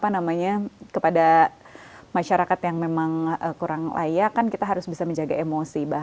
jadi kepada masyarakat yang memang kurang layak kan kita harus bisa menjaga emosi